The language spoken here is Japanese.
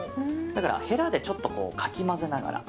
だから、へらでかき混ぜながら。